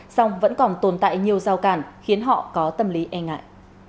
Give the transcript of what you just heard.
song vẫn còn tồn tại nhiều giao cản khiến họ có tâm lý e ngại